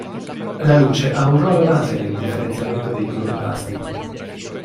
La luce ha un ruolo base nel differenziamento dei cloroplasti.